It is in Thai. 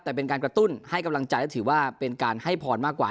แต่เป็นการกระตุ้นให้กำลังใจและถือว่าเป็นการให้พรมากกว่า